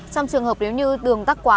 trong trường hợp nếu như đường tắc quá